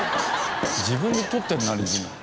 自分で取ってるなリズム。